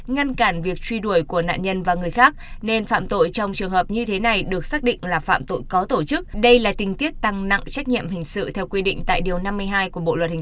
ngăn cản việc truy đuổi của nạn nhân và người khác nên phạm tội trong trường hợp như thế này được xác định là phạm tội có tổ chức